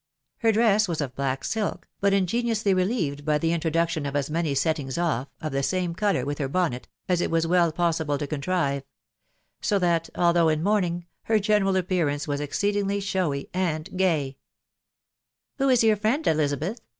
Her dress was of black silk, but ingeniously ?e\ife^e&V$ >&&°\\&t<*~ duction of as many settings off, of t3oa wk& cdtoax ^V&vWt L 4 152 THE WIDOW BARNABY. bonnet, as it was well possible to contrive ; so that, although in mourning, her general appearance was exceedingly showy and gay. "Who is your friend, Elizabeth?"